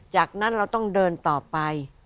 จากนั้นเราต้องเดินต่อไป